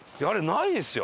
ないですよ。